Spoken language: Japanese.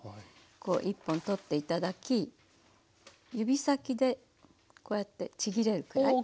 こう１本取って頂き指先でこうやってちぎれるくらい。